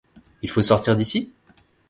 Il faut sortir d’ici ?